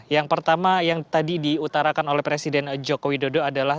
yang pertama yang tadi diutarakan oleh presiden joko widodo adalah